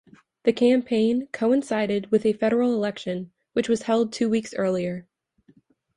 The campaign coincided with a federal election, which was held two weeks earlier.